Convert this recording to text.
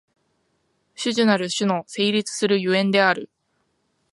種々なる種の成立する所以である。